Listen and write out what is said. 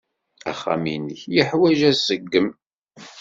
Axxam-nnek yeḥwaj aṣeggem.